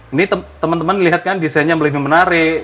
ini teman teman melihat kan desainnya lebih menarik